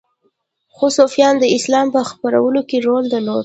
خو صوفیانو د اسلام په خپرولو کې رول درلود